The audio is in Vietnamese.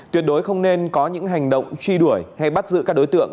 tuyệt đối không nên có những hành động truy đuổi hay bắt giữ các đối tượng